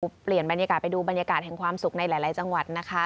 เปลี่ยนบรรยากาศไปดูบรรยากาศแห่งความสุขในหลายจังหวัดนะคะ